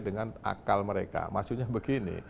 dengan akal mereka maksudnya begini